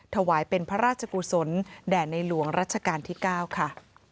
ถวายเป็นพระราชกุศลแด่ในหลวงรัชกาลที่๙ค่ะ